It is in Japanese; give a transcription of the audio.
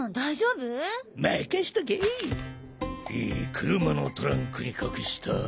「車のトランクに隠した」。